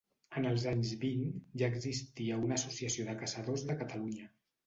En els anys vint ja existia una Associació de Caçadors de Catalunya.